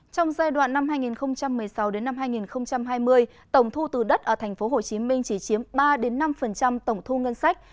trong giai đoạn năm hai nghìn một mươi sáu hai nghìn hai mươi tổng thu từ đất ở tp hcm chỉ chiếm ba năm tổng thu ngân sách